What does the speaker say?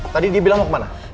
tadi dia bilang mau kemana